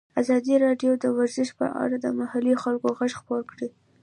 ازادي راډیو د ورزش په اړه د محلي خلکو غږ خپور کړی.